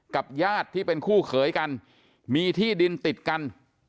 กับญาติที่เป็นคู่เขยกันมีที่ดินติดกัน